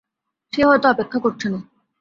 সে হয়তো অপেক্ষা করছে না।